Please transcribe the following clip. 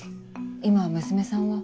今娘さんは？